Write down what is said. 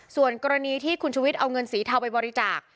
ส่วนกรณีที่คุณชุวิตเอาเงินสีเทาไปบริจาค